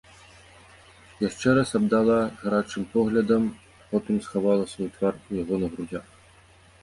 Яшчэ раз абдала гарачым поглядам і потым схавала свой твар у яго на грудзях.